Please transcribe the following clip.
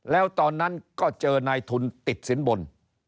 แล้วตอนนั้นก็เจอนายทุนติดสินบน